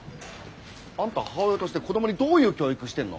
あんた母親として子どもにどういう教育してんの？